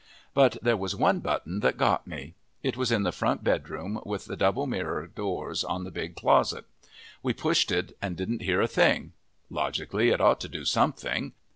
But there was one button that got me. It was in the front bedroom with the double mirror doors on the big closet. We pushed it and didn't hear a thing. Logically, it ought to do something.